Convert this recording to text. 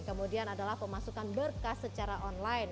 kemudian adalah pemasukan berkas secara online